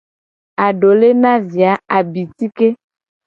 Adole na vi a abitike.